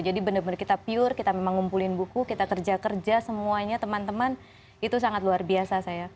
jadi benar benar kita pure kita memang ngumpulin buku kita kerja kerja semuanya teman teman itu sangat luar biasa saya